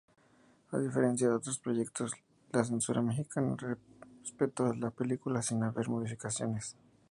A diferencia de otros proyectos la censura mexicana respetó la película sin hacer modificaciones.